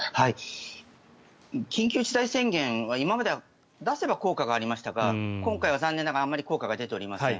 緊急事態宣言は今までは出せば効果がありましたが今回は残念ながらあまり効果が出ておりません。